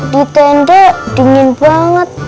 di tenda dingin banget